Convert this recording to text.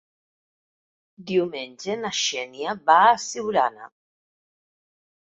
Diumenge na Xènia va a Siurana.